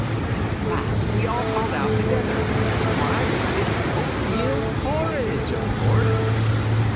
And at last we all called out together 'Why, its oatmeal porridge, of course!'